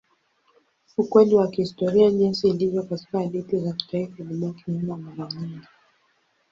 Ukweli wa kihistoria jinsi ilivyo katika hadithi za kitaifa ilibaki nyuma mara nyingi.